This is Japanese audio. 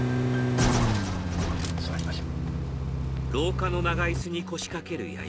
座りましょう。